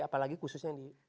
apalagi khususnya di indonesia